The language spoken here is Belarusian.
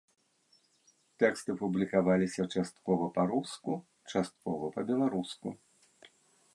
Тэксты публікаваліся часткова па-руску, часткова па-беларуску.